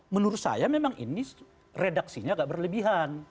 menurut saya memang ini redaksinya agak berlebihan